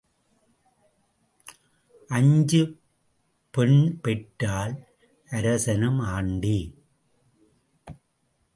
அஞ்சு பெண் பெற்றால் அரசனும் ஆண்டி.